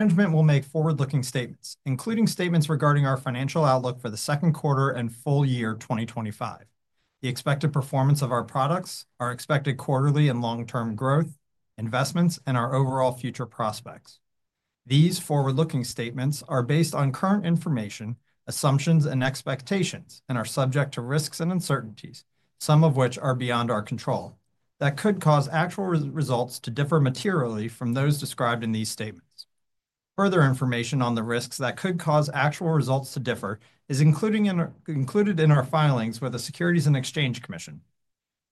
Management will make forward-looking statements, including statements regarding our financial outlook for the second quarter and full year 2025, the expected performance of our products, our expected quarterly and long-term growth, investments, and our overall future prospects. These forward-looking statements are based on current information, assumptions, and expectations, and are subject to risks and uncertainties, some of which are beyond our control, that could cause actual results to differ materially from those described in these statements. Further information on the risks that could cause actual results to differ is included in our filings with the Securities and Exchange Commission.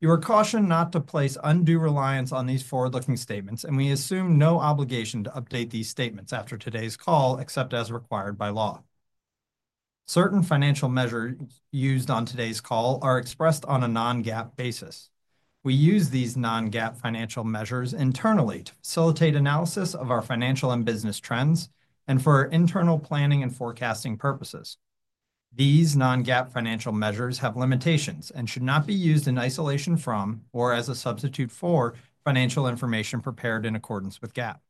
You are cautioned not to place undue reliance on these forward-looking statements, and we assume no obligation to update these statements after today's call, except as required by law. Certain financial measures used on today's call are expressed on a non-GAAP basis. We use these non-GAAP financial measures internally to facilitate analysis of our financial and business trends and for internal planning and forecasting purposes. These non-GAAP financial measures have limitations and should not be used in isolation from or as a substitute for financial information prepared in accordance with GAAP.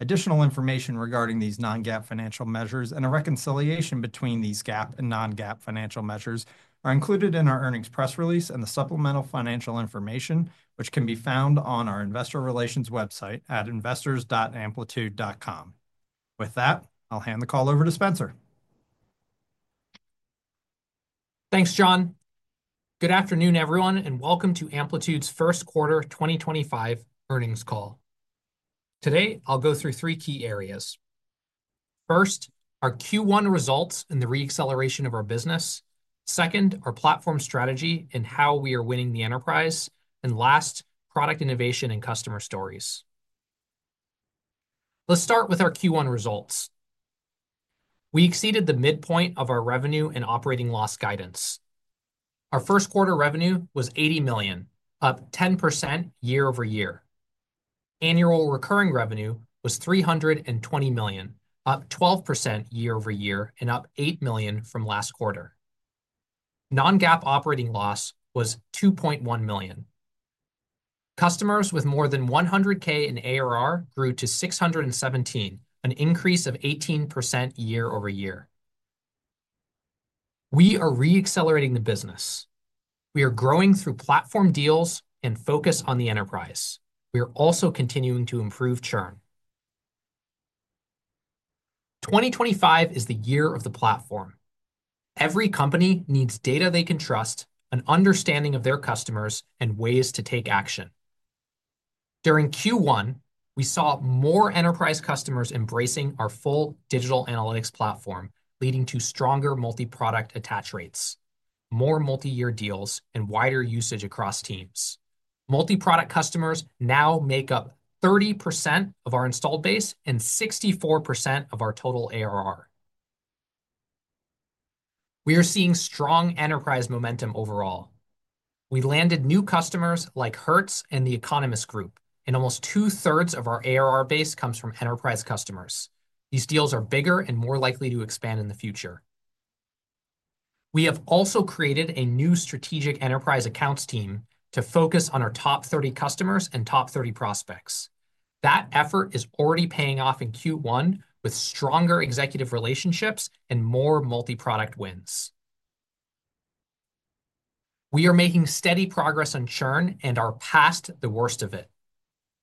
Additional information regarding these non-GAAP financial measures and a reconciliation between these GAAP and non-GAAP financial measures are included in our earnings press release and the supplemental financial information, which can be found on our investor relations website at investors.amplitude.com. With that, I'll hand the call over to Spenser. Thanks, John. Good afternoon, everyone, and welcome to Amplitude's first quarter 2025 earnings call. Today, I'll go through three key areas. First, our Q1 results and the reacceleration of our business. Second, our platform strategy and how we are winning the enterprise. And last, product innovation and customer stories. Let's start with our Q1 results. We exceeded the midpoint of our revenue and operating loss guidance. Our first quarter revenue was $80 million, up 10% year-over-year. Annual recurring revenue was $320 million, up 12% year-over-year, and up $8 million from last quarter. Non-GAAP operating loss was $2.1 million. Customers with more than $100,000 in ARR grew to 617, an increase of 18% year-over-year. We are reaccelerating the business. We are growing through platform deals and focus on the enterprise. We are also continuing to improve churn. 2025 is the year of the platform. Every company needs data they can trust, an understanding of their customers, and ways to take action. During Q1, we saw more enterprise customers embracing our full digital analytics platform, leading to stronger multi-product attach rates, more multi-year deals, and wider usage across teams. Multi-product customers now make up 30% of our installed base and 64% of our total ARR. We are seeing strong enterprise momentum overall. We landed new customers like Hertz and the Economist Group, and almost two-thirds of our ARR base comes from enterprise customers. These deals are bigger and more likely to expand in the future. We have also created a new strategic enterprise accounts team to focus on our top 30 customers and top 30 prospects. That effort is already paying off in Q1 with stronger executive relationships and more multi-product wins. We are making steady progress on churn and are past the worst of it.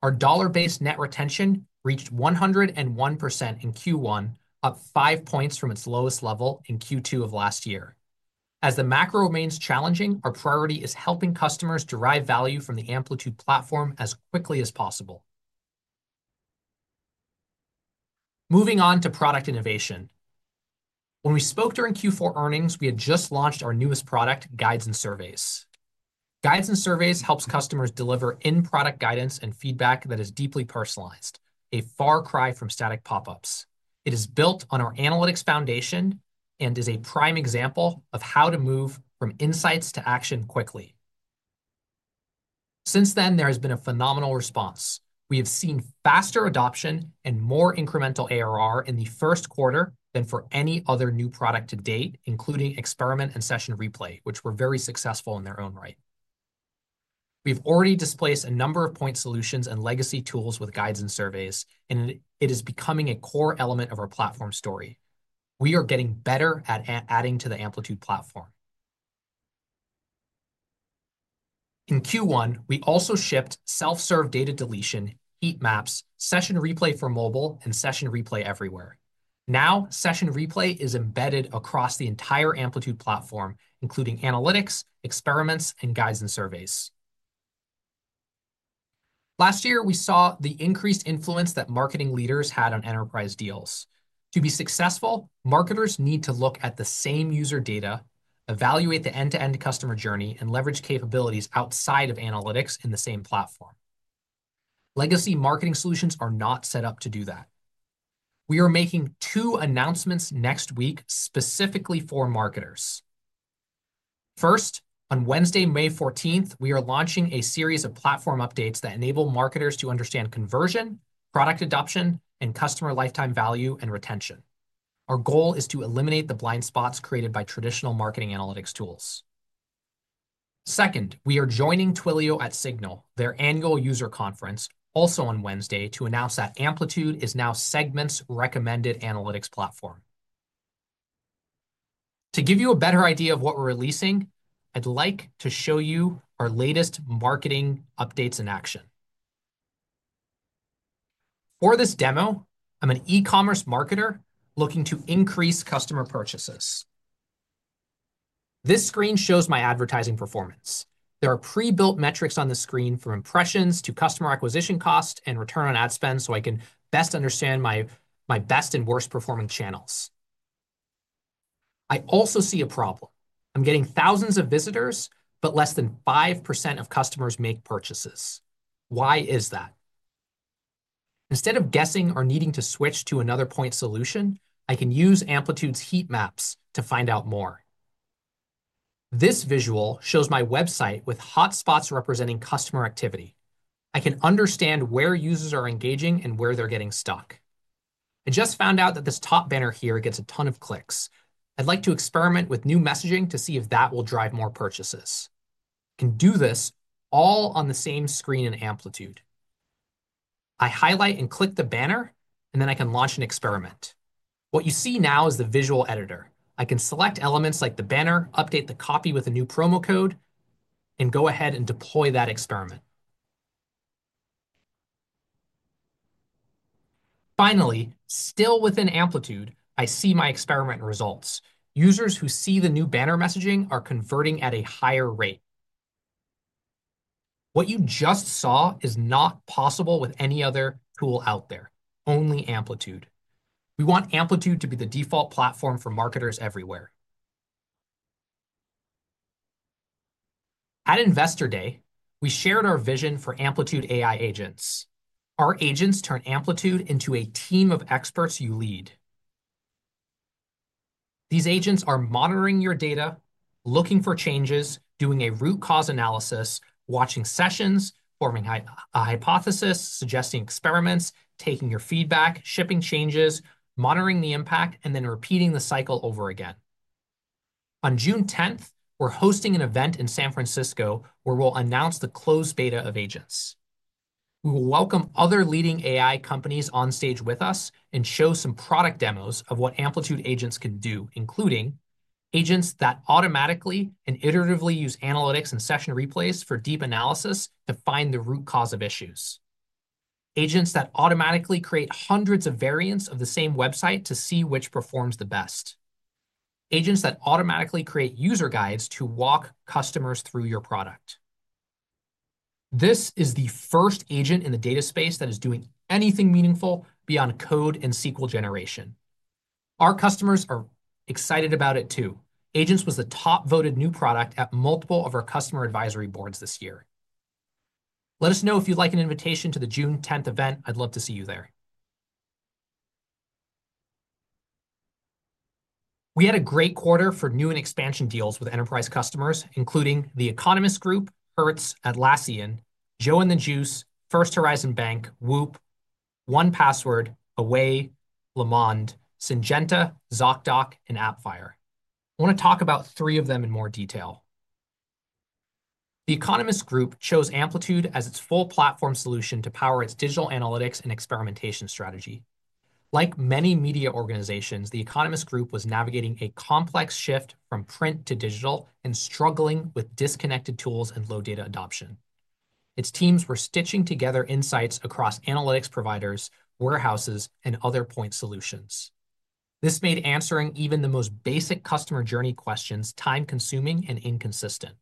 Our dollar-based net retention reached 101% in Q1, up five points from its lowest level in Q2 of last year. As the macro remains challenging, our priority is helping customers derive value from the Amplitude platform as quickly as possible. Moving on to product innovation. When we spoke during Q4 earnings, we had just launched our newest product, Guides and Surveys. Guides and Surveys helps customers deliver in-product guidance and feedback that is deeply personalized, a far cry from static pop-ups. It is built on our analytics foundation and is a prime example of how to move from insights to action quickly. Since then, there has been a phenomenal response. We have seen faster adoption and more incremental ARR in the first quarter than for any other new product to date, including Experiment and Session Replay, which were very successful in their own right. We've already displaced a number of point solutions and legacy tools with Guides and Surveys, and it is becoming a core element of our platform story. We are getting better at adding to the Amplitude platform. In Q1, we also shipped self-serve data deletion, heat maps, Session Replay for mobile, and Session Replay everywhere. Now, Session Replay is embedded across the entire Amplitude platform, including Analytics, Experiment, and Guides and Surveys. Last year, we saw the increased influence that marketing leaders had on enterprise deals. To be successful, marketers need to look at the same user data, evaluate the end-to-end customer journey, and leverage capabilities outside of Analytics in the same platform. Legacy marketing solutions are not set up to do that. We are making two announcements next week specifically for marketers. First, on Wednesday, May 14th, we are launching a series of platform updates that enable marketers to understand conversion, product adoption, and customer lifetime value and retention. Our goal is to eliminate the blind spots created by traditional marketing analytics tools. Second, we are joining Twilio at SIGNAL, their annual user conference, also on Wednesday, to announce that Amplitude is now Segment's Recommended Analytics Platform. To give you a better idea of what we're releasing, I'd like to show you our latest marketing updates in action. For this demo, I'm an e-commerce marketer looking to increase customer purchases. This screen shows my advertising performance. There are pre-built metrics on the screen from impressions to customer acquisition cost and return on ad spend so I can best understand my best and worst performing channels. I also see a problem. I'm getting thousands of visitors, but less than 5% of customers make purchases. Why is that? Instead of guessing or needing to switch to another point solution, I can use Amplitude's heatmaps to find out more. This visual shows my website with hotspots representing customer activity. I can understand where users are engaging and where they're getting stuck. I just found out that this top banner here gets a ton of clicks. I'd like to experiment with new messaging to see if that will drive more purchases. I can do this all on the same screen in Amplitude. I highlight and click the banner, and then I can launch an Experiment. What you see now is the visual editor. I can select elements like the banner, update the copy with a new promo code, and go ahead and deploy that experiment. Finally, still within Amplitude, I see my experiment results. Users who see the new banner messaging are converting at a higher rate. What you just saw is not possible with any other tool out there, only Amplitude. We want Amplitude to be the default platform for marketers everywhere. At Investor Day, we shared our vision for Amplitude AI agents. Our agents turn Amplitude into a team of experts you lead. These agents are monitoring your data, looking for changes, doing a root cause analysis, watching sessions, forming a hypothesis, suggesting experiments, taking your feedback, shipping changes, monitoring the impact, and then repeating the cycle over again. On June 10th, we're hosting an event in San Francisco where we'll announce the closed beta of agents. We will welcome other leading AI companies on stage with us and show some product demos of what Amplitude agents can do, including agents that automatically and iteratively use analytics and session replays for deep analysis to find the root cause of issues, agents that automatically create hundreds of variants of the same website to see which performs the best, agents that automatically create user guides to walk customers through your product. This is the first agent in the data space that is doing anything meaningful beyond code and SQL generation. Our customers are excited about it too. Agents was the top-voted new product at multiple of our customer advisory boards this year. Let us know if you'd like an invitation to the June 10th event. I'd love to see you there. We had a great quarter for new and expansion deals with enterprise customers, including The Economist Group, Hertz, Atlassian, Joe & The Juice, First Horizon Bank, WHOOP, 1Password, Away, Lamond, Syngenta, Zocdoc, and Appfire. I want to talk about three of them in more detail. The Economist Group chose Amplitude as its full platform solution to power its digital analytics and experimentation strategy. Like many media organizations, The Economist Group was navigating a complex shift from print to digital and struggling with disconnected tools and low data adoption. Its teams were stitching together insights across analytics providers, warehouses, and other point solutions. This made answering even the most basic customer journey questions time-consuming and inconsistent.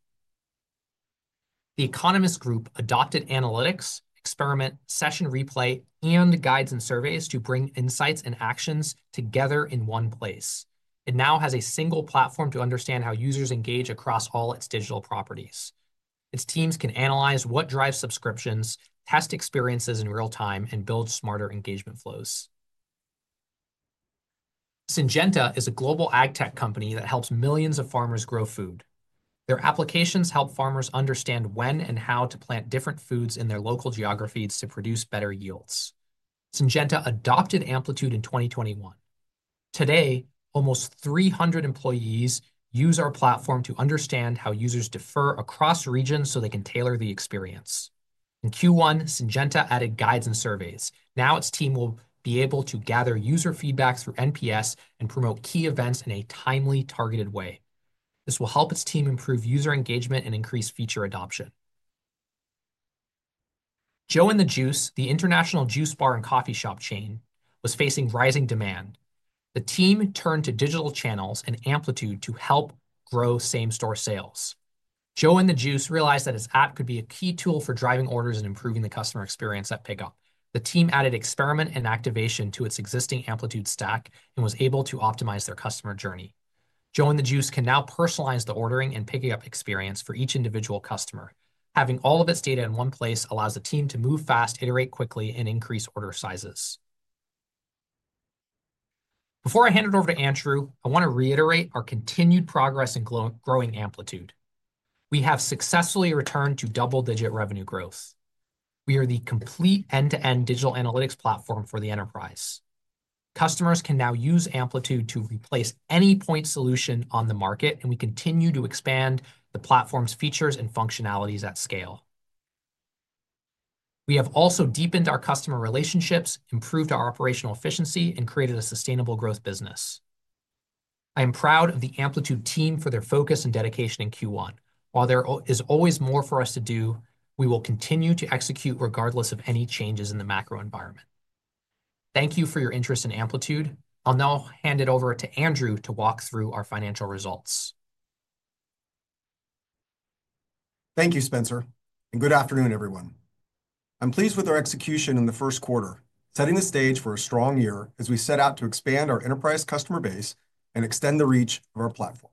The Economist Group adopted Analytics, Experiment, Session Replay, and Guides and Surveys to bring insights and actions together in one place. It now has a single platform to understand how users engage across all its digital properties. Its teams can analyze what drives subscriptions, test experiences in real time, and build smarter engagement flows. Syngenta is a global ag tech company that helps millions of farmers grow food. Their applications help farmers understand when and how to plant different foods in their local geographies to produce better yields. Syngenta adopted Amplitude in 2021. Today, almost 300 employees use our platform to understand how users differ across regions so they can tailor the experience. In Q1, Syngenta added Guides and Surveys. Now its team will be able to gather user feedback through NPS and promote key events in a timely, targeted way. This will help its team improve user engagement and increase feature adoption. Joe & The Juice, the international juice bar and coffee shop chain, was facing rising demand. The team turned to digital channels and Amplitude to help grow same-store sales. Joe & The Juice realized that its app could be a key tool for driving orders and improving the customer experience at pickup. The team added Experiment and activation to its existing Amplitude stack and was able to optimize their customer journey. Joe & The Juice can now personalize the ordering and picking up experience for each individual customer. Having all of its data in one place allows the team to move fast, iterate quickly, and increase order sizes. Before I hand it over to Andrew, I want to reiterate our continued progress in growing Amplitude. We have successfully returned to double-digit revenue growth. We are the complete end-to-end digital analytics platform for the enterprise. Customers can now use Amplitude to replace any point solution on the market, and we continue to expand the platform's features and functionalities at scale. We have also deepened our customer relationships, improved our operational efficiency, and created a sustainable growth business. I am proud of the Amplitude team for their focus and dedication in Q1. While there is always more for us to do, we will continue to execute regardless of any changes in the macro environment. Thank you for your interest in Amplitude. I'll now hand it over to Andrew to walk through our financial results. Thank you, Spenser, and good afternoon, everyone. I'm pleased with our execution in the first quarter, setting the stage for a strong year as we set out to expand our enterprise customer base and extend the reach of our platform.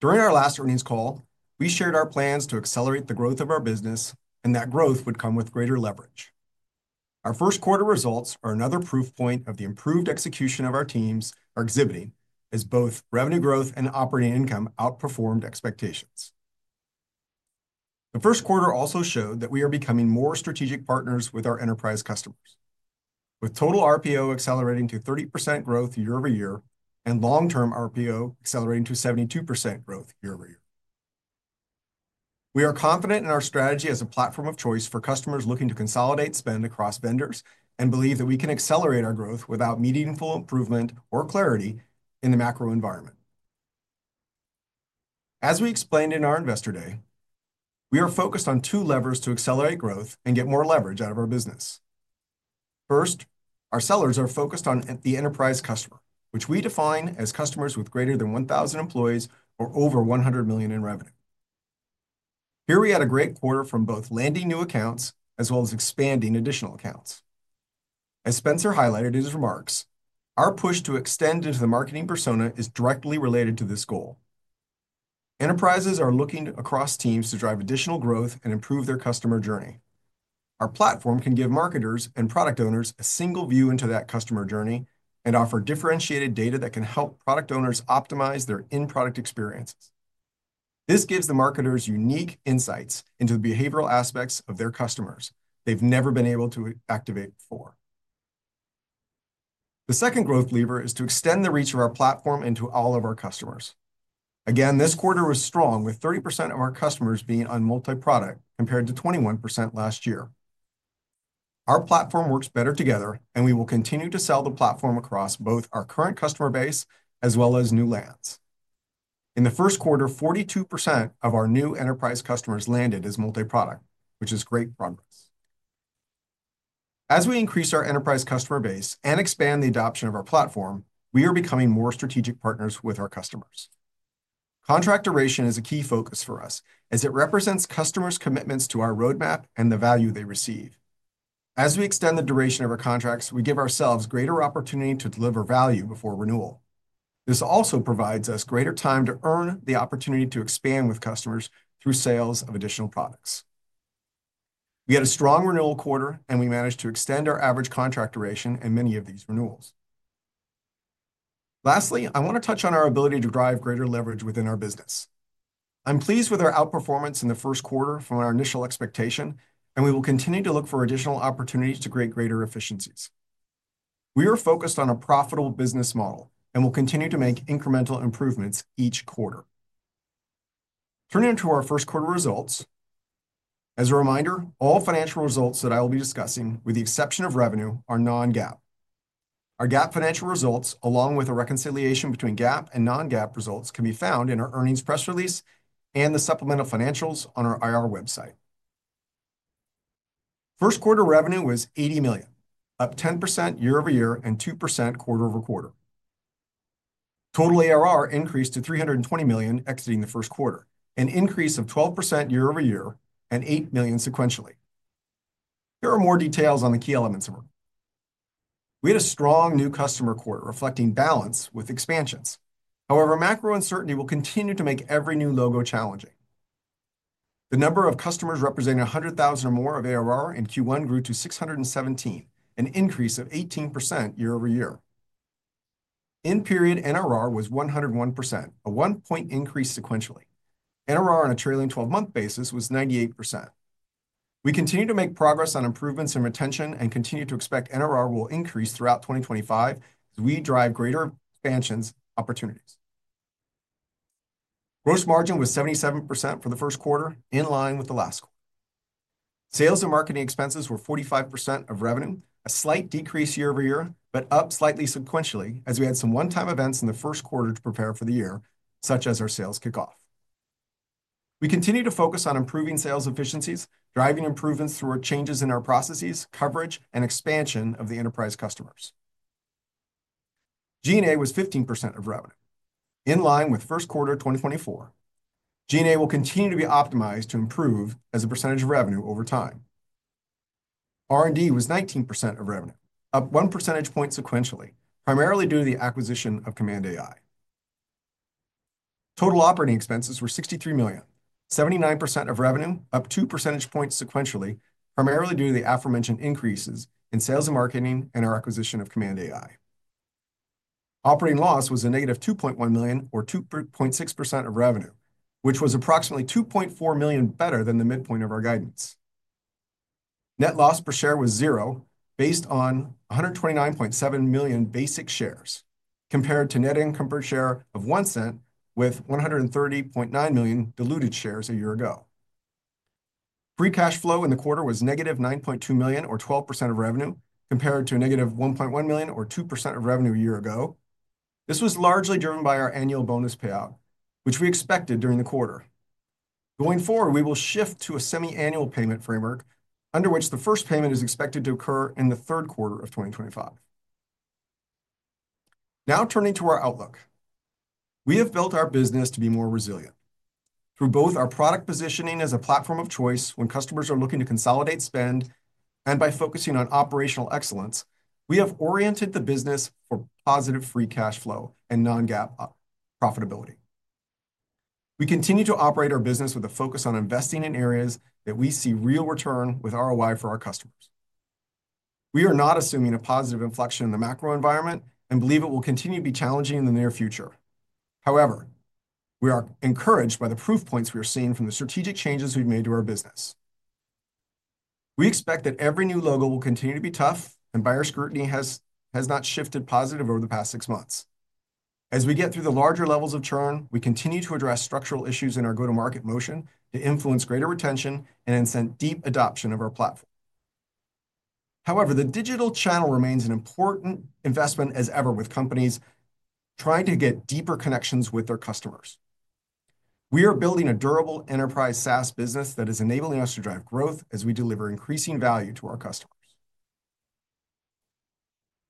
During our last earnings call, we shared our plans to accelerate the growth of our business and that growth would come with greater leverage. Our first quarter results are another proof point of the improved execution our teams are exhibiting as both revenue growth and operating income outperformed expectations. The first quarter also showed that we are becoming more strategic partners with our enterprise customers, with total RPO accelerating to 30% growth year-over-year and long-term RPO accelerating to 72% growth year-over-year. We are confident in our strategy as a platform of choice for customers looking to consolidate spend across vendors and believe that we can accelerate our growth without meaningful improvement or clarity in the macro environment. As we explained in our Investor Day, we are focused on two levers to accelerate growth and get more leverage out of our business. First, our sellers are focused on the enterprise customer, which we define as customers with greater than 1,000 employees or over $100 million in revenue. Here we had a great quarter from both landing new accounts as well as expanding additional accounts. As Spenser highlighted in his remarks, our push to extend into the marketing persona is directly related to this goal. Enterprises are looking across teams to drive additional growth and improve their customer journey. Our platform can give marketers and product owners a single view into that customer journey and offer differentiated data that can help product owners optimize their in-product experiences. This gives the marketers unique insights into the behavioral aspects of their customers they've never been able to activate before. The second growth lever is to extend the reach of our platform into all of our customers. Again, this quarter was strong, with 30% of our customers being on multi-product compared to 21% last year. Our platform works better together, and we will continue to sell the platform across both our current customer base as well as new lands. In the first quarter, 42% of our new enterprise customers landed as multi-product, which is great progress. As we increase our enterprise customer base and expand the adoption of our platform, we are becoming more strategic partners with our customers. Contract duration is a key focus for us as it represents customers' commitments to our roadmap and the value they receive. As we extend the duration of our contracts, we give ourselves greater opportunity to deliver value before renewal. This also provides us greater time to earn the opportunity to expand with customers through sales of additional products. We had a strong renewal quarter, and we managed to extend our average contract duration in many of these renewals. Lastly, I want to touch on our ability to drive greater leverage within our business. I'm pleased with our outperformance in the first quarter from our initial expectation, and we will continue to look for additional opportunities to create greater efficiencies. We are focused on a profitable business model and will continue to make incremental improvements each quarter. Turning to our first quarter results, as a reminder, all financial results that I will be discussing, with the exception of revenue, are non-GAAP. Our GAAP financial results, along with a reconciliation between GAAP and non-GAAP results, can be found in our earnings press release and the supplemental financials on our IR website. First quarter revenue was $80 million, up 10% year-over-year and 2% quarter-over-quarter. Total ARR increased to $320 million exiting the first quarter, an increase of 12% year-over-year and $8 million sequentially. Here are more details on the key elements of our quarter. We had a strong new customer quarter reflecting balance with expansions. However, macro uncertainty will continue to make every new logo challenging. The number of customers representing $100,000 or more of ARR in Q1 grew to 617, an increase of 18% year-over-year. End period NRR was 101%, a one-point increase sequentially. NRR on a trailing 12-month basis was 98%. We continue to make progress on improvements in retention and continue to expect NRR will increase throughout 2025 as we drive greater expansion opportunities. Gross margin was 77% for the first quarter, in line with the last quarter. Sales and marketing expenses were 45% of revenue, a slight decrease year over year, but up slightly sequentially as we had some one-time events in the first quarter to prepare for the year, such as our sales kickoff. We continue to focus on improving sales efficiencies, driving improvements through our changes in our processes, coverage, and expansion of the enterprise customers. G&A was 15% of revenue, in line with first quarter 2024. G&A will continue to be optimized to improve as a percentage of revenue over time. R&D was 19% of revenue, up 1 percentage point sequentially, primarily due to the acquisition of Command AI. Total operating expenses were $63 million, 79% of revenue, up 2 percentage points sequentially, primarily due to the aforementioned increases in sales and marketing and our acquisition of Command AI. Operating loss was a negative $2.1 million, or 2.6% of revenue, which was approximately $2.4 million better than the midpoint of our guidance. Net loss per share was zero based on 129.7 million basic shares, compared to net income per share of $0.01 with 130.9 million diluted shares a year ago. Free cash flow in the quarter was negative $9.2 million, or 12% of revenue, compared to a negative $1.1 million, or 2% of revenue a year ago. This was largely driven by our annual bonus payout, which we expected during the quarter. Going forward, we will shift to a semi-annual payment framework, under which the first payment is expected to occur in the third quarter of 2025. Now turning to our outlook, we have built our business to be more resilient through both our product positioning as a platform of choice when customers are looking to consolidate spend and by focusing on operational excellence. We have oriented the business for positive free cash flow and non-GAAP profitability. We continue to operate our business with a focus on investing in areas that we see real return with ROI for our customers. We are not assuming a positive inflection in the macro environment and believe it will continue to be challenging in the near future. However, we are encouraged by the proof points we are seeing from the strategic changes we've made to our business. We expect that every new logo will continue to be tough, and buyer scrutiny has not shifted positive over the past six months. As we get through the larger levels of churn, we continue to address structural issues in our go-to-market motion to influence greater retention and incent deep adoption of our platform. However, the digital channel remains an important investment as ever with companies trying to get deeper connections with their customers. We are building a durable enterprise SaaS business that is enabling us to drive growth as we deliver increasing value to our customers.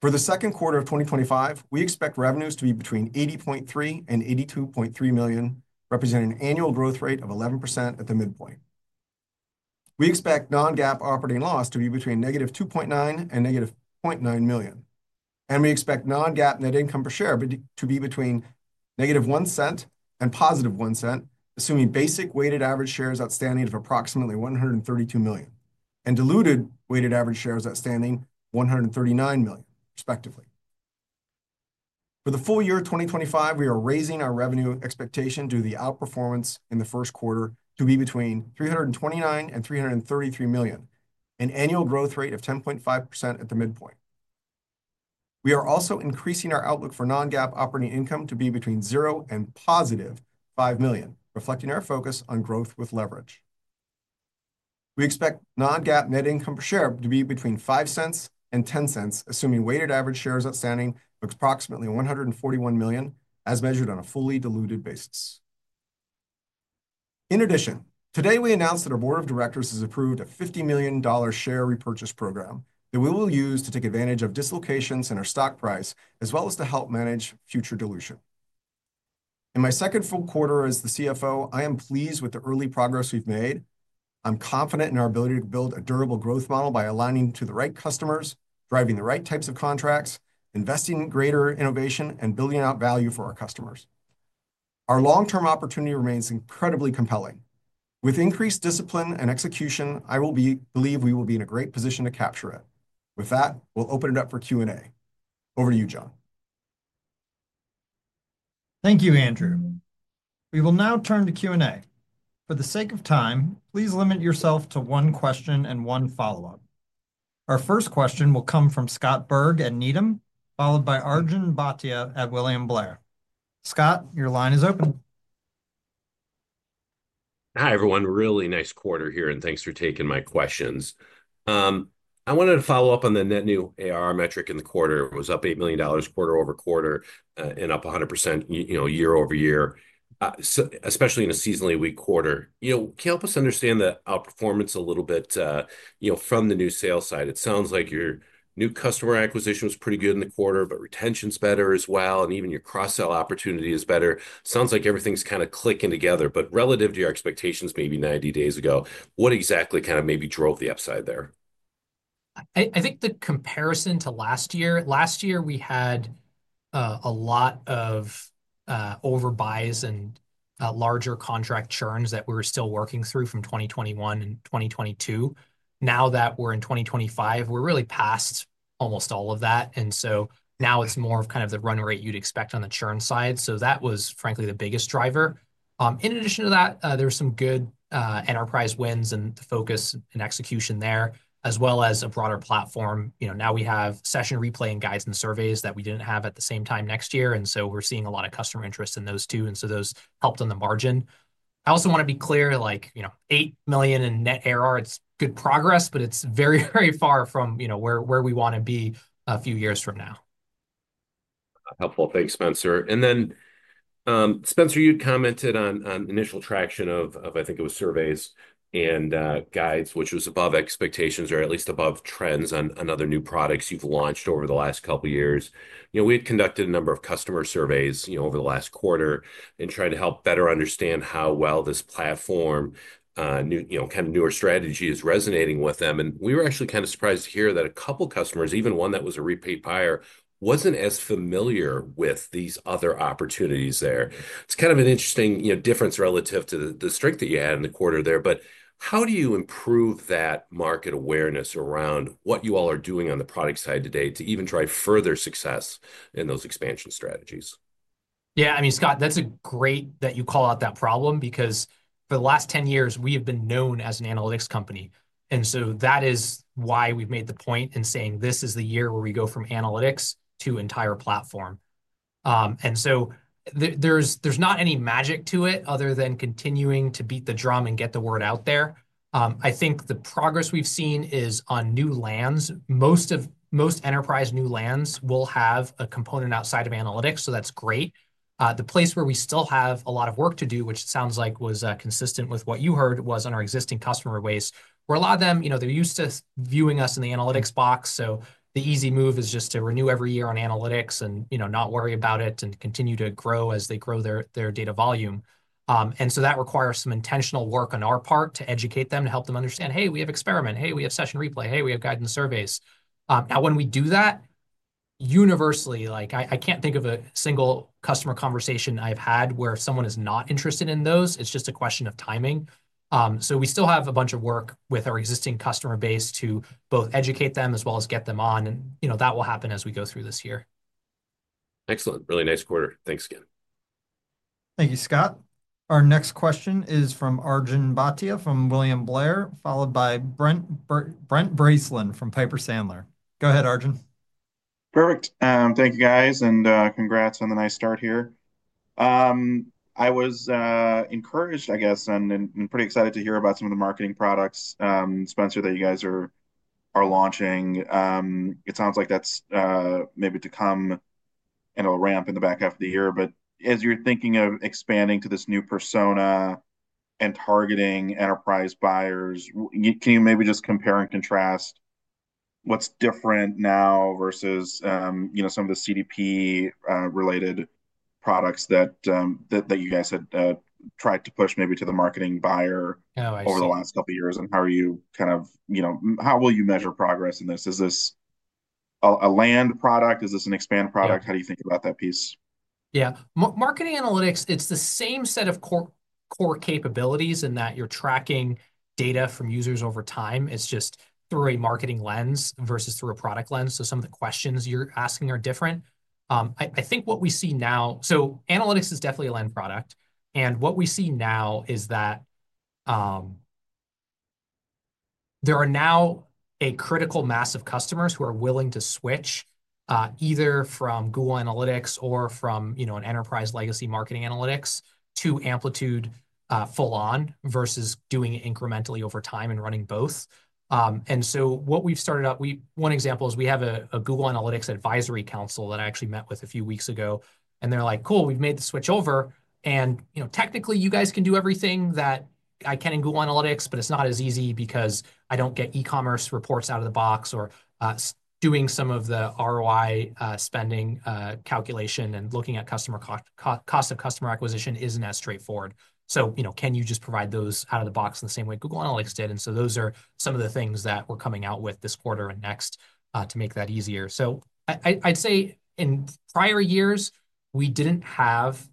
For the second quarter of 2025, we expect revenues to be between $80.3 million and $82.3 million, representing an annual growth rate of 11% at the midpoint. We expect non-GAAP operating loss to be between negative $2.9 million and negative $0.9 million, and we expect non-GAAP net income per share to be between -$0.01 and +$0.01, assuming basic weighted average shares outstanding of approximately 132 million and diluted weighted average shares outstanding 139 million, respectively. For the full year of 2025, we are raising our revenue expectation due to the outperformance in the first quarter to be between $329 million and $333 million, an annual growth rate of 10.5% at the midpoint. We are also increasing our outlook for non-GAAP operating income to be between $0 and +$5 million, reflecting our focus on growth with leverage. We expect non-GAAP net income per share to be between $0.05 and $0.10, assuming weighted average shares outstanding of approximately 141 million as measured on a fully diluted basis. In addition, today we announced that our board of directors has approved a $50 million share repurchase program that we will use to take advantage of dislocations in our stock price as well as to help manage future dilution. In my second full quarter as the CFO, I am pleased with the early progress we've made. I'm confident in our ability to build a durable growth model by aligning to the right customers, driving the right types of contracts, investing in greater innovation, and building out value for our customers. Our long-term opportunity remains incredibly compelling. With increased discipline and execution, I believe we will be in a great position to capture it. With that, we'll open it up for Q&A. Over to you, John. Thank you, Andrew. We will now turn to Q&A. For the sake of time, please limit yourself to one question and one follow-up. Our first question will come from Scott Berg at Needham, followed by Arjun Bhatia at William Blair. Scott, your line is open. Hi, everyone. Really nice quarter here, and thanks for taking my questions. I wanted to follow up on the net new ARR metric in the quarter. It was up $8 million quarter over quarter and up 100% year-over-year, especially in a seasonally weak quarter. Can you help us understand the outperformance a little bit from the new sales side? It sounds like your new customer acquisition was pretty good in the quarter, but retention's better as well, and even your cross-sell opportunity is better. Sounds like everything's kind of clicking together, but relative to your expectations maybe 90 days ago, what exactly kind of maybe drove the upside there? I think the comparison to last year, last year we had a lot of overbuys and larger contract churns that we were still working through from 2021 and 2022. Now that we're in 2025, we're really past almost all of that. And so now it's more of kind of the run rate you'd expect on the churn side. That was, frankly, the biggest driver. In addition to that, there were some good enterprise wins and the focus and execution there, as well as a broader platform. Now we have Session Replay and Guides and Surveys that we did not have at the same time last year. We are seeing a lot of customer interest in those two, and those helped on the margin. I also want to be clear, like $8 million in net ARR, it is good progress, but it is very, very far from where we want to be a few years from now. Helpful. Thanks, Spenser. Spenser, you had commented on initial traction of, I think it was Surveys and Guides, which was above expectations or at least above trends on other new products you have launched over the last couple of years. We had conducted a number of customer surveys over the last quarter and tried to help better understand how well this platform, kind of newer strategy, is resonating with them. We were actually kind of surprised to hear that a couple of customers, even one that was a repeat buyer, was not as familiar with these other opportunities there. It is kind of an interesting difference relative to the strength that you had in the quarter there. How do you improve that market awareness around what you all are doing on the product side today to even drive further success in those expansion strategies? Yeah, I mean, Scott, that is great that you call out that problem because for the last 10 years, we have been known as an analytics company. That is why we've made the point in saying this is the year where we go from analytics to entire platform. There is not any magic to it other than continuing to beat the drum and get the word out there. I think the progress we've seen is on new lands. Most enterprise new lands will have a component outside of analytics, so that's great. The place where we still have a lot of work to do, which sounds like was consistent with what you heard, was on our existing customer base, where a lot of them, they're used to viewing us in the analytics box. The easy move is just to renew every year on analytics and not worry about it and continue to grow as they grow their data volume. That requires some intentional work on our part to educate them, to help them understand, "Hey, we have Experiment. Hey, we have Session Replay. Hey, we have Guides and Surveys." When we do that, universally, I cannot think of a single customer conversation I have had where someone is not interested in those. It is just a question of timing. We still have a bunch of work with our existing customer base to both educate them as well as get them on. That will happen as we go through this year. Excellent. Really nice quarter. Thanks again. Thank you, Scott. Our next question is from Arjun Bhatia from William Blair, followed by Brent Bracelin from Piper Sandler. Go ahead, Arjun. Perfect. Thank you, guys, and congrats on the nice start here. I was encouraged, I guess, and pretty excited to hear about some of the marketing products, Spenser, that you guys are launching. It sounds like that's maybe to come and it'll ramp in the back half of the year. As you're thinking of expanding to this new persona and targeting enterprise buyers, can you maybe just compare and contrast what's different now versus some of the CDP-related products that you guys had tried to push maybe to the marketing buyer over the last couple of years? How are you kind of, how will you measure progress in this? Is this a land product? Is this an expand product? How do you think about that piece? Yeah. Marketing analytics, it's the same set of core capabilities in that you're tracking data from users over time. It's just through a marketing lens versus through a product lens. Some of the questions you're asking are different. I think what we see now, analytics is definitely a land product. What we see now is that there are now a critical mass of customers who are willing to switch either from Google Analytics or from an enterprise legacy marketing analytics to Amplitude full-on versus doing it incrementally over time and running both. What we've started up, one example is we have a Google Analytics advisory council that I actually met with a few weeks ago. They're like, "Cool, we've made the switch over. Technically, you guys can do everything that I can in Google Analytics, but it's not as easy because I don't get e-commerce reports out of the box or doing some of the ROI spending calculation and looking at customer cost of customer acquisition isn't as straightforward. Can you just provide those out of the box in the same way Google Analytics did? Those are some of the things that we're coming out with this quarter and next to make that easier. I'd say in prior years, we didn't have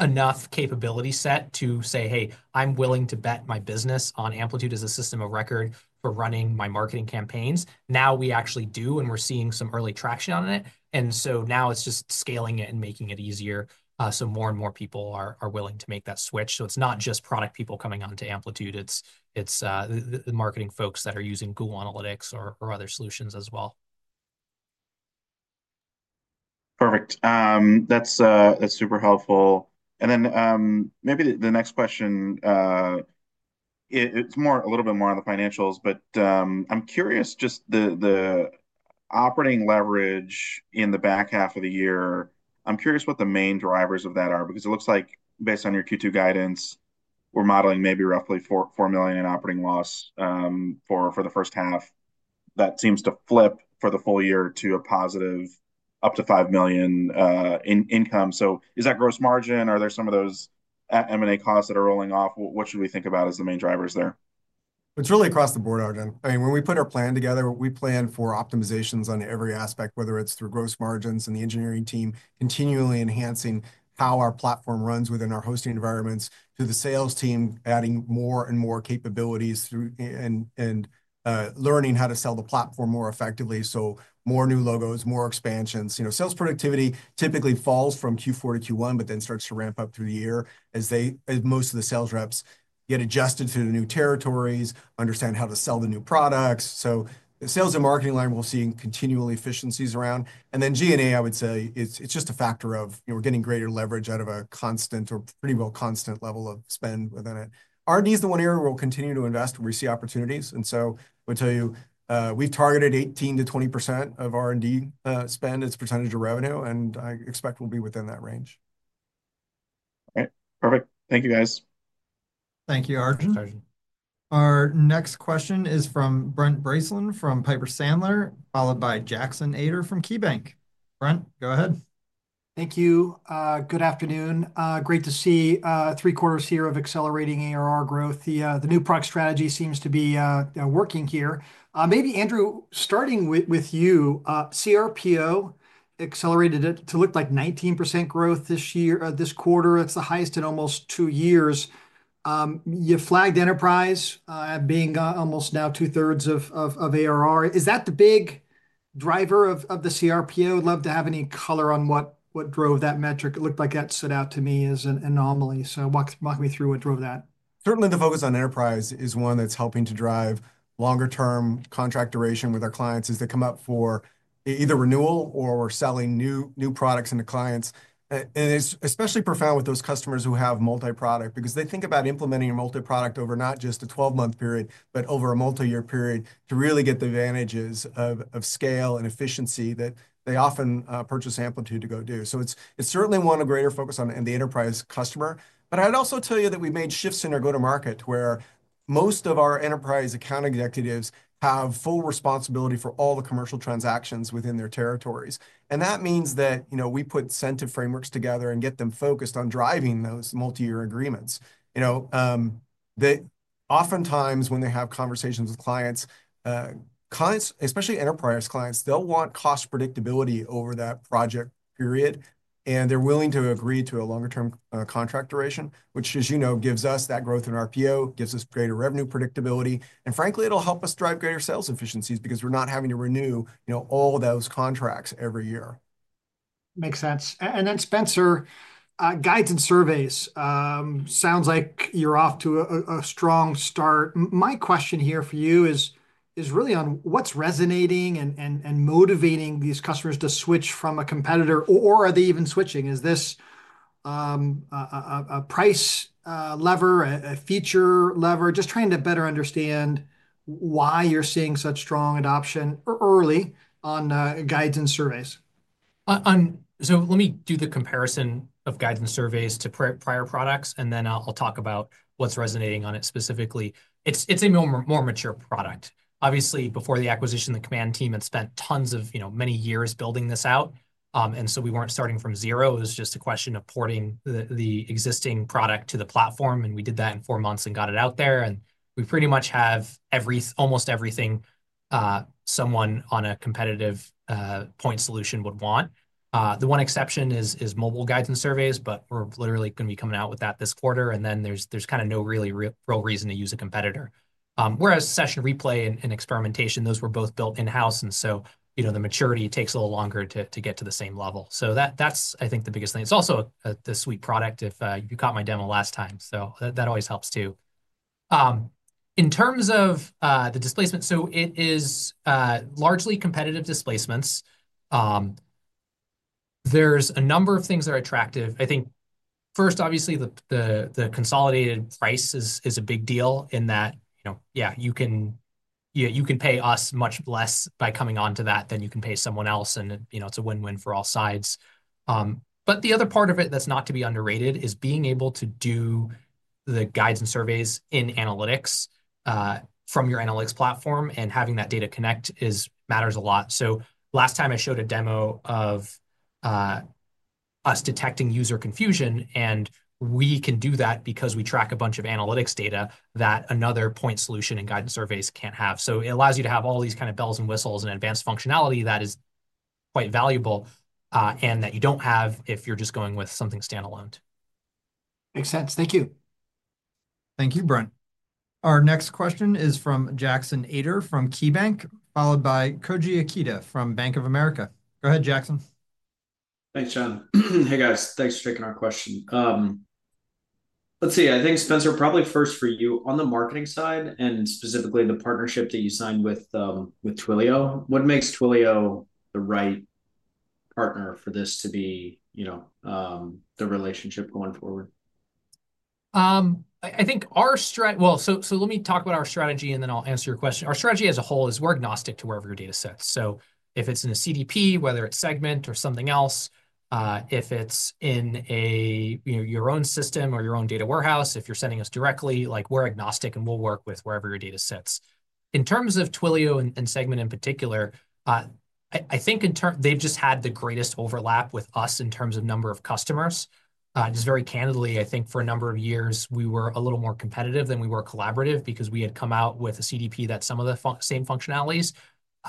enough capability set to say, "Hey, I'm willing to bet my business on Amplitude as a system of record for running my marketing campaigns." Now we actually do, and we're seeing some early traction on it. Now it's just scaling it and making it easier. More and more people are willing to make that switch. It's not just product people coming on to Amplitude. It's the marketing folks that are using Google Analytics or other solutions as well. Perfect. That's super helpful. Maybe the next question, it's a little bit more on the financials, but I'm curious just the operating leverage in the back half of the year. I'm curious what the main drivers of that are because it looks like based on your Q2 guidance, we're modeling maybe roughly $4 million in operating loss for the first half. That seems to flip for the full year to a positive up to $5 million in income. Is that gross margin? Are there some of those M&A costs that are rolling off? What should we think about as the main drivers there? It's really across the board, Arjun. I mean, when we put our plan together, we plan for optimizations on every aspect, whether it's through gross margins and the engineering team continually enhancing how our platform runs within our hosting environments to the sales team, adding more and more capabilities and learning how to sell the platform more effectively. More new logos, more expansions. Sales productivity typically falls from Q4 to Q1, but then starts to ramp up through the year as most of the sales reps get adjusted to the new territories, understand how to sell the new products. The sales and marketing line we'll see continually efficiencies around. G&A, I would say it's just a factor of we're getting greater leverage out of a constant or pretty well constant level of spend within it. R&D is the one area where we'll continue to invest when we see opportunities. I would tell you we've targeted 18%-20% of R&D spend as percentage of revenue, and I expect we'll be within that range. Perfect. Thank you, guys. Thank you, Arjun. Our next question is from Brent Bracelin from Piper Sandler, followed by Jackson Ader from KeyBanc. Brent, go ahead. Thank you. Good afternoon. Great to see three quarters here of accelerating ARR growth. The new product strategy seems to be working here. Maybe, Andrew, starting with you, CRPO accelerated. It looked like 19% growth this quarter. It's the highest in almost two years. You flagged enterprise being almost now 2/3 of ARR. Is that the big driver of the CRPO? I'd love to have any color on what drove that metric. It looked like that stood out to me as an anomaly. Walk me through what drove that. Certainly, the focus on enterprise is one that's helping to drive longer-term contract duration with our clients as they come up for either renewal or we're selling new products into clients. It's especially profound with those customers who have multi-product because they think about implementing a multi-product over not just a 12-month period, but over a multi-year period to really get the advantages of scale and efficiency that they often purchase Amplitude to go do. It is certainly one of greater focus on the enterprise customer. I'd also tell you that we've made shifts in our go-to-market where most of our enterprise account executives have full responsibility for all the commercial transactions within their territories. That means that we put incentive frameworks together and get them focused on driving those multi-year agreements. Oftentimes, when they have conversations with clients, clients, especially enterprise clients, they'll want cost predictability over that project period. They're willing to agree to a longer-term contract duration, which, as you know, gives us that growth in RPO, gives us greater revenue predictability. Frankly, it'll help us drive greater sales efficiencies because we're not having to renew all those contracts every year. Makes sense. Spenser, Guides and Surveys. Sounds like you're off to a strong start. My question here for you is really on what's resonating and motivating these customers to switch from a competitor, or are they even switching? Is this a price lever, a feature lever? Just trying to better understand why you're seeing such strong adoption early on Guides and Surveys. Let me do the comparison of Guides and Surveys to prior products, and then I'll talk about what's resonating on it specifically. It's a more mature product. Obviously, before the acquisition, the Command team had spent many years building this out. We were not starting from zero. It was just a question of porting the existing product to the platform. We did that in four months and got it out there. We pretty much have almost everything someone on a competitive point solution would want. The one exception is mobile Guides and Surveys, but we're literally going to be coming out with that this quarter. There is kind of no really real reason to use a competitor. Whereas Session Replay and Experiment, those were both built in-house. The maturity takes a little longer to get to the same level. That's, I think, the biggest thing. It's also a sweet product if you caught my demo last time. That always helps too. In terms of the displacement, it is largely competitive displacements. There are a number of things that are attractive. I think, first, obviously, the consolidated price is a big deal in that, yeah, you can pay us much less by coming on to that than you can pay someone else. It's a win-win for all sides. The other part of it that's not to be underrated is being able to do the Guides and Surveys in Analytics from your analytics platform and having that data connect matters a lot. Last time, I showed a demo of us detecting user confusion. We can do that because we track a bunch of analytics data that another point solution and guidance surveys can't have. It allows you to have all these kind of bells and whistles and advanced functionality that is quite valuable and that you do not have if you are just going with something standalone. Makes sense. Thank you. Thank you, Brent. Our next question is from Jackson Ader from KeyBanc, followed by Koji Ikeda from Bank of America. Go ahead, Jackson. Thanks, John. Hey, guys. Thanks for taking our question. Let's see. I think, Spenser, probably first for you on the marketing side and specifically the partnership that you signed with Twilio. What makes Twilio the right partner for this to be the relationship going forward? I think our strategy—let me talk about our strategy, and then I will answer your question. Our strategy as a whole is we are agnostic to wherever your data sets. If it's in a CDP, whether it's Segment or something else, if it's in your own system or your own data warehouse, if you're sending us directly, we're agnostic, and we'll work with wherever your data sets. In terms of Twilio and Segment in particular, I think they've just had the greatest overlap with us in terms of number of customers. Just very candidly, I think for a number of years, we were a little more competitive than we were collaborative because we had come out with a CDP that had some of the same functionalities.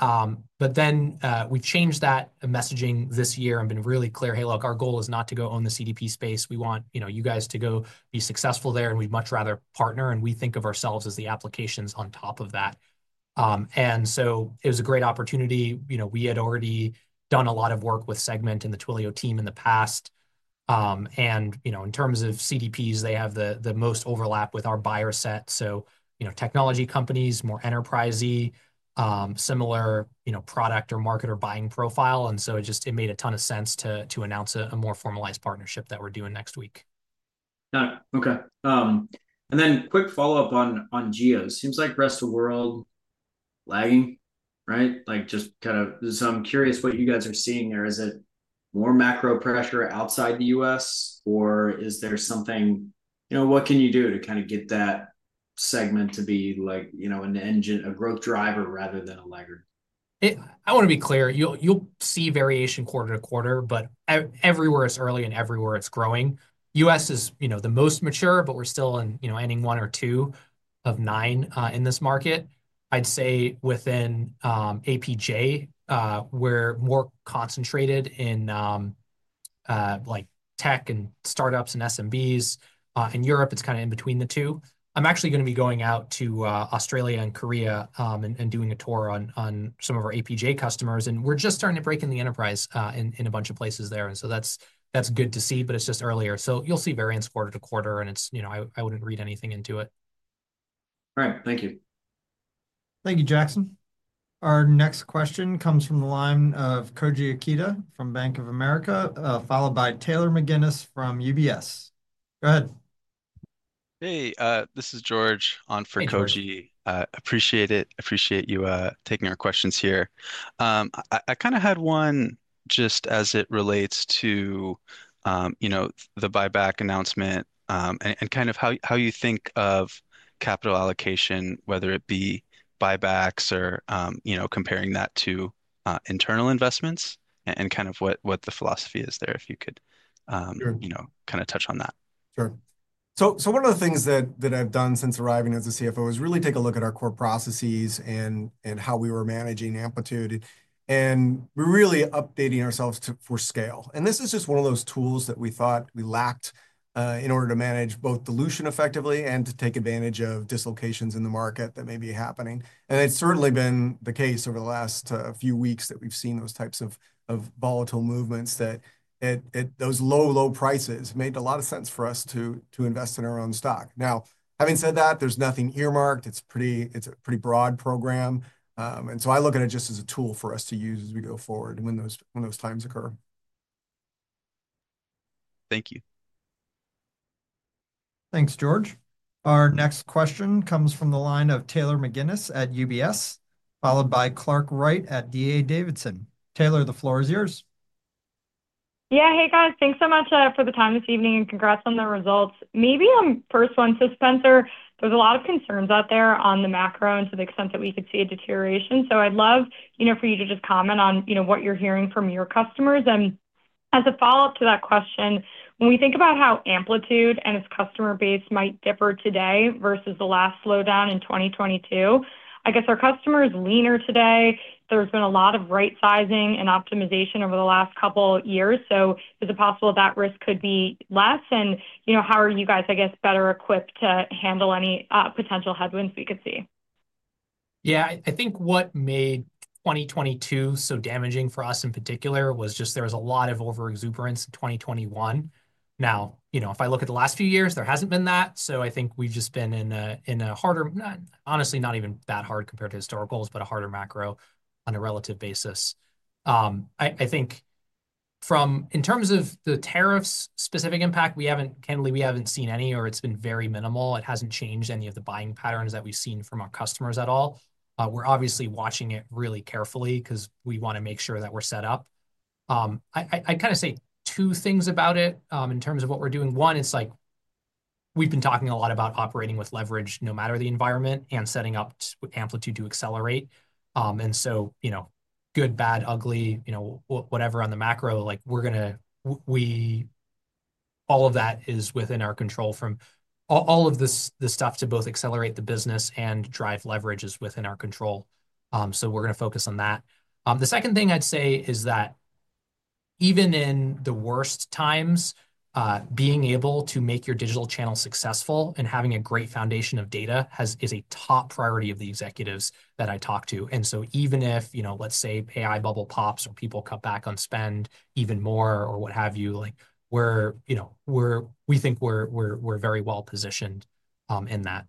We have changed that messaging this year and been really clear, "Hey, look, our goal is not to go own the CDP space. We want you guys to go be successful there, and we'd much rather partner." We think of ourselves as the applications on top of that. It was a great opportunity. We had already done a lot of work with Segment and the Twilio team in the past. In terms of CDPs, they have the most overlap with our buyer set. Technology companies, more enterprise-y, similar product or marketer buying profile. It made a ton of sense to announce a more formalized partnership that we're doing next week. Got it. Okay. Quick follow-up on Geo. Seems like rest of the world lagging, right? Just kind of—I am curious what you guys are seeing there. Is it more macro pressure outside the U.S., or is there something—what can you do to kind of get that segment to be an engine, a growth driver rather than a laggard? I want to be clear. You'll see variation quarter to quarter, but everywhere it's early and everywhere it's growing. U.S. is the most mature, but we're still in ending one or two of nine in this market. I'd say within APJ, we're more concentrated in tech and startups and SMBs. In Europe, it's kind of in between the two. I'm actually going to be going out to Australia and Korea and doing a tour on some of our APJ customers. We're just starting to break in the enterprise in a bunch of places there. That's good to see, but it's just earlier. You'll see variance quarter to quarter, and I wouldn't read anything into it. All right. Thank you. Thank you, Jackson. Our next question comes from the line of Koji Ikeda from Bank of America, followed by Taylor McGinnis from UBS. Go ahead. Hey, this is George on for Koji. Appreciate it. Appreciate you taking our questions here. I kind of had one just as it relates to the buyback announcement and kind of how you think of capital allocation, whether it be buybacks or comparing that to internal investments and kind of what the philosophy is there, if you could kind of touch on that. Sure. One of the things that I've done since arriving as CFO is really take a look at our core processes and how we were managing Amplitude. We're really updating ourselves for scale. This is just one of those tools that we thought we lacked in order to manage both dilution effectively and to take advantage of dislocations in the market that may be happening. It's certainly been the case over the last few weeks that we've seen those types of volatile movements that at those low, low prices made a lot of sense for us to invest in our own stock. Now, having said that, there's nothing earmarked. It's a pretty broad program. I look at it just as a tool for us to use as we go forward when those times occur. Thank you. Thanks, George. Our next question comes from the line of Taylor McGinnis at UBS, followed by Clark Wright at D.A. Davidson. Taylor, the floor is yours. Yeah. Hey, guys. Thanks so much for the time this evening and congrats on the results. Maybe I'm first one to Spenser. There's a lot of concerns out there on the macro and to the extent that we could see a deterioration. I'd love for you to just comment on what you're hearing from your customers. As a follow-up to that question, when we think about how Amplitude and its customer base might differ today versus the last slowdown in 2022, I guess our customer is leaner today. There's been a lot of right-sizing and optimization over the last couple of years. Is it possible that risk could be less? How are you guys, I guess, better equipped to handle any potential headwinds we could see? Yeah. I think what made 2022 so damaging for us in particular was just there was a lot of overexuberance in 2021. Now, if I look at the last few years, there hasn't been that. I think we've just been in a harder, honestly, not even that hard compared to historicals, but a harder macro on a relative basis. I think in terms of the tariffs specific impact, candidly, we haven't seen any, or it's been very minimal. It hasn't changed any of the buying patterns that we've seen from our customers at all. We're obviously watching it really carefully because we want to make sure that we're set up. I'd kind of say two things about it in terms of what we're doing. One, it's like we've been talking a lot about operating with leverage no matter the environment and setting up Amplitude to accelerate. Good, bad, ugly, whatever on the macro, all of that is within our control from all of the stuff to both accelerate the business and drive leverage is within our control. We're going to focus on that. The second thing I'd say is that even in the worst times, being able to make your digital channel successful and having a great foundation of data is a top priority of the executives that I talk to. Even if, let's say, AI bubble pops or people cut back on spend even more or what have you, we think we're very well positioned in that.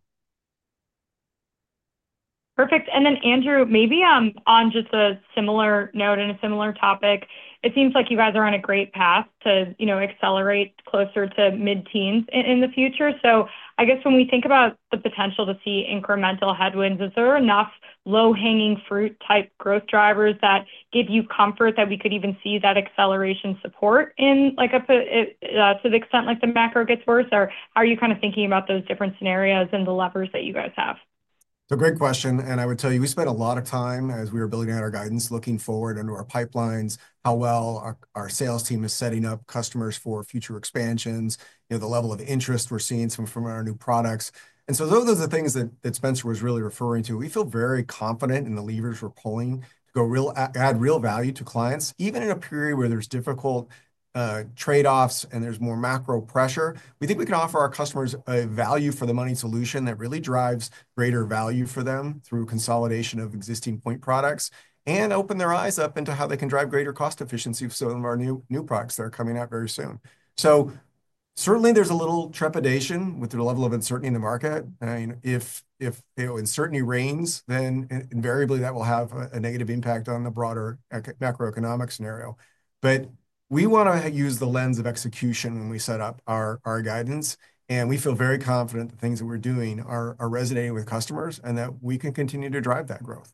Perfect. Then, Andrew, maybe on just a similar note and a similar topic, it seems like you guys are on a great path to accelerate closer to mid-teens in the future. I guess when we think about the potential to see incremental headwinds, is there enough low-hanging fruit-type growth drivers that give you comfort that we could even see that acceleration support to the extent the macro gets worse? How are you kind of thinking about those different scenarios and the levers that you guys have? It's a great question. I would tell you, we spent a lot of time as we were building out our guidance, looking forward into our pipelines, how well our sales team is setting up customers for future expansions, the level of interest we're seeing from our new products. Those are the things that Spenser was really referring to. We feel very confident in the levers we're pulling to add real value to clients. Even in a period where there's difficult trade-offs and there's more macro pressure, we think we can offer our customers a value-for-the-money solution that really drives greater value for them through consolidation of existing point products and open their eyes up into how they can drive greater cost efficiency for some of our new products that are coming out very soon. Certainly, there's a little trepidation with the level of uncertainty in the market. If uncertainty reigns, then invariably, that will have a negative impact on the broader macroeconomic scenario. We want to use the lens of execution when we set up our guidance. We feel very confident that the things that we're doing are resonating with customers and that we can continue to drive that growth.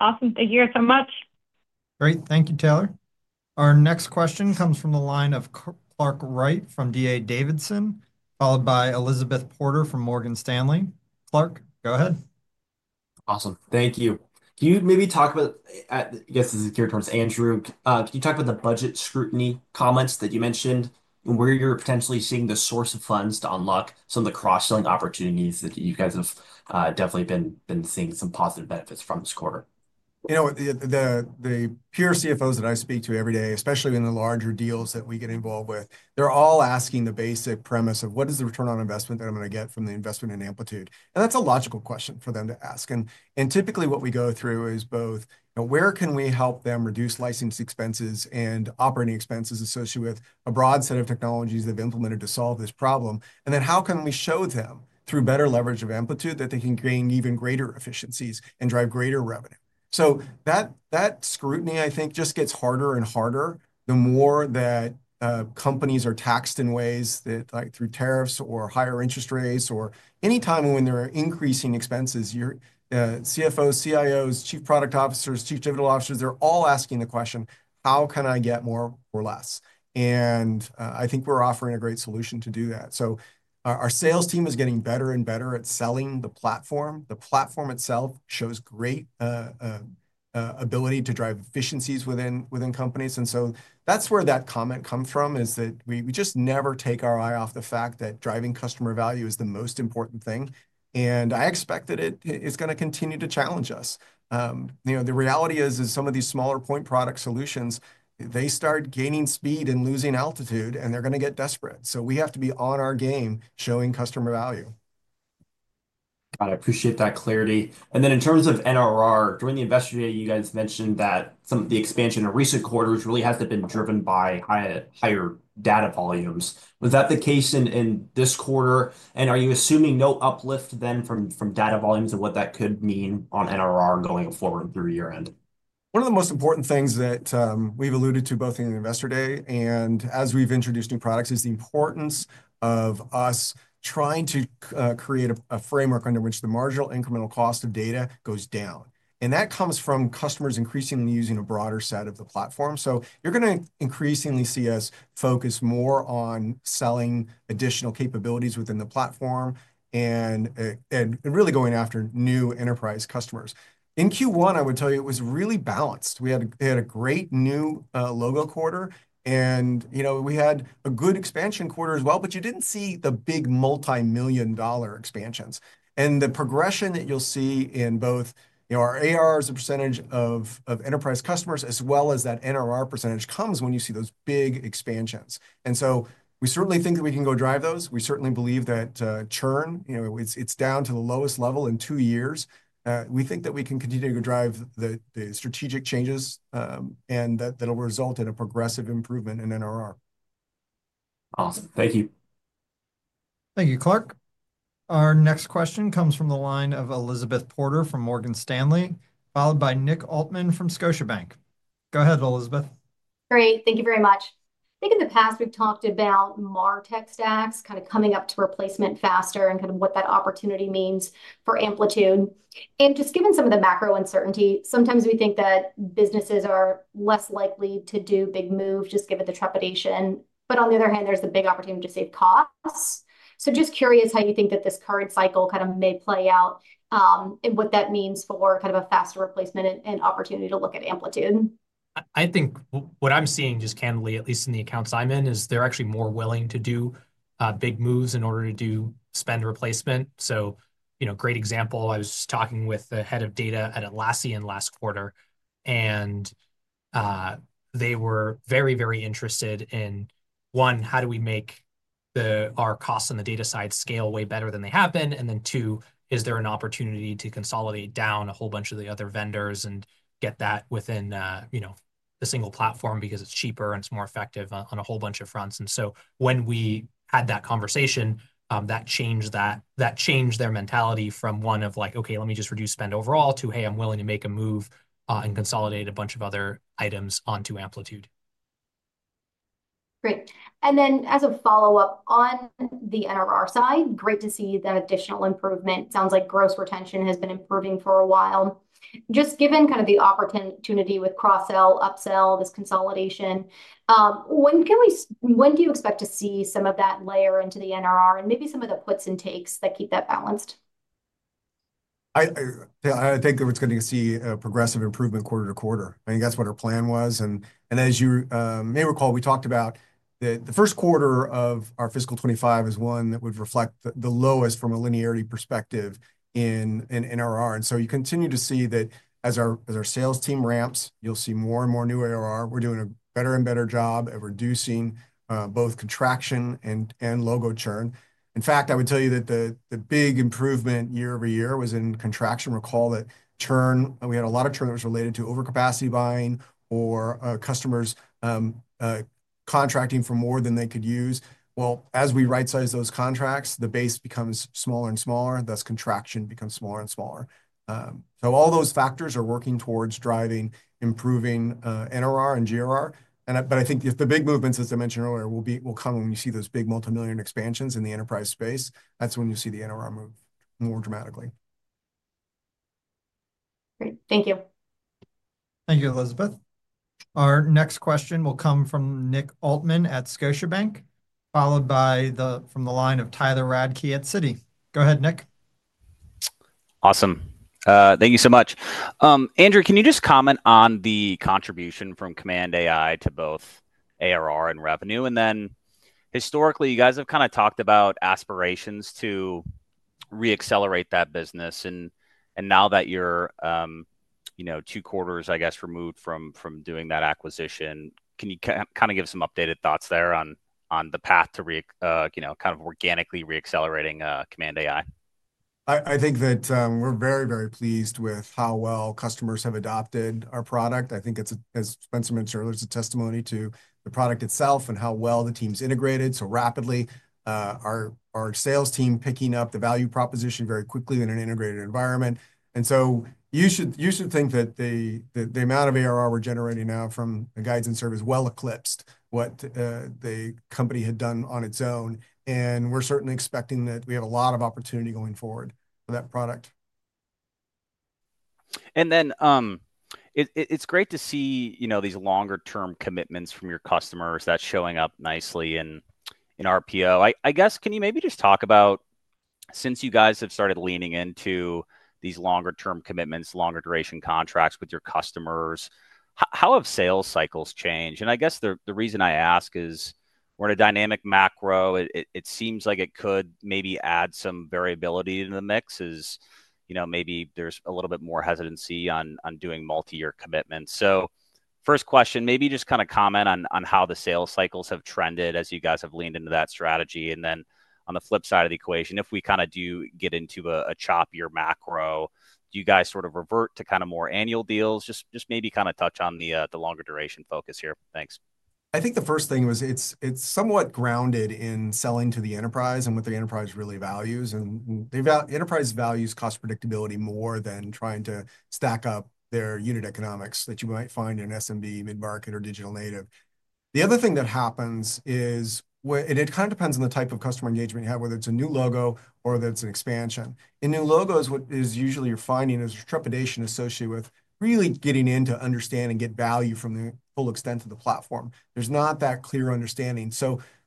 Awesome. Thank you so much. Great. Thank you, Taylor. Our next question comes from the line of Clark Wright from D.A. Davidson, followed by Elizabeth Porter from Morgan Stanley. Clark, go ahead. Awesome. Thank you. Can you maybe talk about—I guess this is geared towards Andrew—can you talk about the budget scrutiny comments that you mentioned and where you're potentially seeing the source of funds to unlock some of the cross-selling opportunities that you guys have definitely been seeing some positive benefits from this quarter? The pure CFOs that I speak to every day, especially in the larger deals that we get involved with, they're all asking the basic premise of, "What is the return on investment that I'm going to get from the investment in Amplitude?" That is a logical question for them to ask. Typically, what we go through is both, "Where can we help them reduce license expenses and operating expenses associated with a broad set of technologies they've implemented to solve this problem?" "How can we show them through better leverage of Amplitude that they can gain even greater efficiencies and drive greater revenue?" That scrutiny, I think, just gets harder and harder the more that companies are taxed in ways through tariffs or higher interest rates or any time when there are increasing expenses. CFOs, CIOs, Chief Product Officers, Chief Digital Officers, they're all asking the question, "How can I get more or less?" I think we're offering a great solution to do that. Our sales team is getting better and better at selling the platform. The platform itself shows great ability to drive efficiencies within companies. That is where that comment comes from, is that we just never take our eye off the fact that driving customer value is the most important thing. I expect that it is going to continue to challenge us. The reality is, some of these smaller point product solutions, they start gaining speed and losing altitude, and they are going to get desperate. We have to be on our game showing customer value. Got it. Appreciate that clarity. In terms of NRR, during the investor day, you guys mentioned that some of the expansion in recent quarters really has not been driven by higher data volumes. Was that the case in this quarter? Are you assuming no uplift then from data volumes and what that could mean on NRR going forward through year-end? One of the most important things that we've alluded to both in the investor day and as we've introduced new products is the importance of us trying to create a framework under which the marginal incremental cost of data goes down. That comes from customers increasingly using a broader set of the platform. You're going to increasingly see us focus more on selling additional capabilities within the platform and really going after new enterprise customers. In Q1, I would tell you it was really balanced. We had a great new logo quarter, and we had a good expansion quarter as well, but you didn't see the big multi-million dollar expansions. The progression that you'll see in both our ARRs, the percentage of enterprise customers, as well as that NRR percentage comes when you see those big expansions. We certainly think that we can go drive those. We certainly believe that churn, it's down to the lowest level in two years. We think that we can continue to drive the strategic changes and that'll result in a progressive improvement in NRR. Awesome. Thank you. Thank you, Clark. Our next question comes from the line of Elizabeth Porter from Morgan Stanley, followed by Nick Altman from Scotiabank. Go ahead, Elizabeth. Great. Thank you very much. I think in the past, we've talked about Martech stacks kind of coming up to replacement faster and kind of what that opportunity means for Amplitude. Just given some of the macro uncertainty, sometimes we think that businesses are less likely to do big moves just given the trepidation. On the other hand, there's the big opportunity to save costs. Just curious how you think that this current cycle kind of may play out and what that means for kind of a faster replacement and opportunity to look at Amplitude. I think what I'm seeing just candidly, at least in the accounts I'm in, is they're actually more willing to do big moves in order to do spend replacement. A great example, I was talking with the head of data at Atlassian last quarter, and they were very, very interested in, one, how do we make our costs on the data side scale way better than they have been? And then two, is there an opportunity to consolidate down a whole bunch of the other vendors and get that within the single platform because it's cheaper and it's more effective on a whole bunch of fronts? When we had that conversation, that changed their mentality from one of like, "Okay, let me just reduce spend overall," to, "Hey, I'm willing to make a move and consolidate a bunch of other items onto Amplitude." Great. As a follow-up on the NRR side, great to see that additional improvement. Sounds like gross retention has been improving for a while. Just given kind of the opportunity with cross-sell, upsell, this consolidation, when do you expect to see some of that layer into the NRR and maybe some of the puts and takes that keep that balanced? I think we're just going to see a progressive improvement quarter to quarter. I think that's what our plan was. As you may recall, we talked about the first quarter of our fiscal 2025 as one that would reflect the lowest from a linearity perspective in NRR. You continue to see that as our sales team ramps, you'll see more and more new ARR. We're doing a better and better job of reducing both contraction and logo churn. In fact, I would tell you that the big improvement year over year was in contraction. Recall that churn, we had a lot of churn that was related to overcapacity buying or customers contracting for more than they could use. As we right-size those contracts, the base becomes smaller and smaller. That contraction becomes smaller and smaller. All those factors are working towards driving improving NRR and GRR. I think the big movements, as I mentioned earlier, will come when you see those big multimillion expansions in the enterprise space. That is when you see the NRR move more dramatically. Great. Thank you. Thank you, Elizabeth. Our next question will come from Nick Altmann at Scotiabank, followed by from the line of Tyler Radke at Citi. Go ahead, Nick. Awesome. Thank you so much. Andrew, can you just comment on the contribution from Command AI to both ARR and revenue? Then historically, you guys have kind of talked about aspirations to re-accelerate that business. Now that you're two quarters, I guess, removed from doing that acquisition, can you kind of give some updated thoughts there on the path to kind of organically re-accelerating Command AI? I think that we're very, very pleased with how well customers have adopted our product. I think, as Spenser mentioned earlier, it's a testimony to the product itself and how well the team's integrated so rapidly. Our sales team picking up the value proposition very quickly in an integrated environment. You should think that the amount of ARR we're generating now from the Guides and Surveys well eclipsed what the company had done on its own. We're certainly expecting that we have a lot of opportunity going forward for that product. It's great to see these longer-term commitments from your customers. That's showing up nicely in RPO. I guess, can you maybe just talk about, since you guys have started leaning into these longer-term commitments, longer duration contracts with your customers, how have sales cycles changed? I guess the reason I ask is, we're in a dynamic macro. It seems like it could maybe add some variability to the mix, as maybe there's a little bit more hesitancy on doing multi-year commitments. First question, maybe just kind of comment on how the sales cycles have trended as you guys have leaned into that strategy. On the flip side of the equation, if we kind of do get into a choppier macro, do you guys sort of revert to kind of more annual deals? Just maybe kind of touch on the longer duration focus here. Thanks. I think the first thing was it's somewhat grounded in selling to the enterprise and what the enterprise really values. The enterprise values cost predictability more than trying to stack up their unit economics that you might find in SMB, mid-market, or digital native. The other thing that happens is, and it kind of depends on the type of customer engagement you have, whether it's a new logo or whether it's an expansion. In new logos, what you usually are finding is trepidation associated with really getting in to understand and get value from the full extent of the platform. There is not that clear understanding.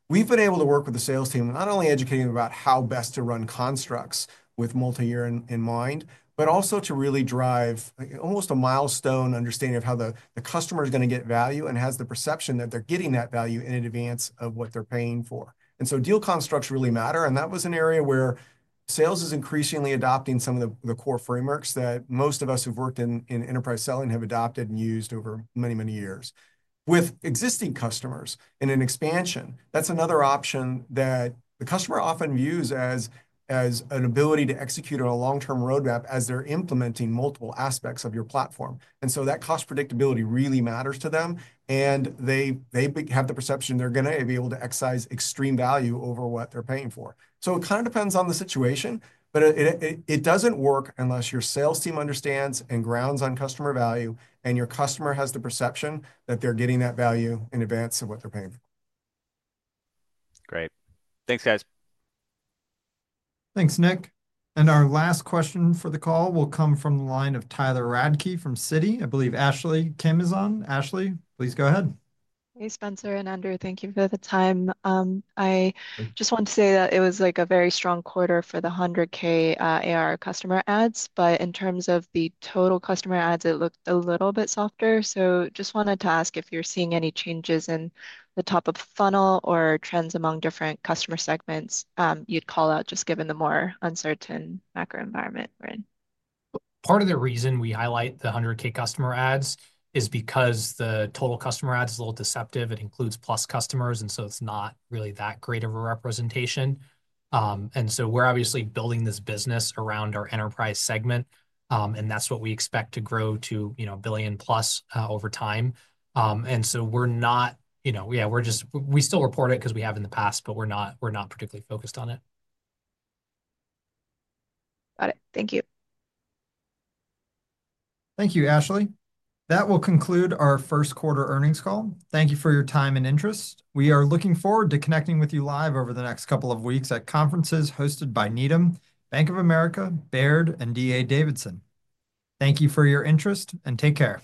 We have been able to work with the sales team, not only educating them about how best to run constructs with multi-year in mind, but also to really drive almost a milestone understanding of how the customer is going to get value and has the perception that they are getting that value in advance of what they are paying for. Deal constructs really matter. That was an area where sales is increasingly adopting some of the core frameworks that most of us who have worked in enterprise selling have adopted and used over many, many years. With existing customers and an expansion, that's another option that the customer often views as an ability to execute on a long-term roadmap as they're implementing multiple aspects of your platform. That cost predictability really matters to them. They have the perception they're going to be able to excise extreme value over what they're paying for. It kind of depends on the situation, but it doesn't work unless your sales team understands and grounds on customer value and your customer has the perception that they're getting that value in advance of what they're paying for. Great. Thanks, guys. Thanks, Nick. Our last question for the call will come from the line of Tyler Radke from Citi. I believe Ashley Kim is on. Ashley, please go ahead. Hey, Spenser and Andrew, thank you for the time. I just want to say that it was like a very strong quarter for the $100,000 ARR customer ads. In terms of the total customer ads, it looked a little bit softer. I just wanted to ask if you're seeing any changes in the top of funnel or trends among different customer segments you'd call out, just given the more uncertain macro environment we're in. Part of the reason we highlight the $100,000 customer ads is because the total customer ads is a little deceptive. It includes plus customers, and so it's not really that great of a representation. We're obviously building this business around our enterprise segment, and that's what we expect to grow to a billion plus over time. We're not, yeah, we're just, we still report it because we have in the past, but we're not particularly focused on it. Got it. Thank you. Thank you, Ashley. That will conclude our first quarter earnings call. Thank you for your time and interest. We are looking forward to connecting with you live over the next couple of weeks at conferences hosted by Needham, Bank of America, Baird, and D.A. Davidson. Thank you for your interest, and take care.